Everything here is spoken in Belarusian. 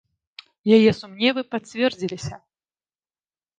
І яе сумневы пацвердзіліся.